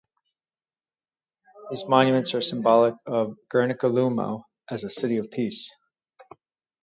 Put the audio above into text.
These monuments are symbolic of Gernika-Lumo as a city of peace.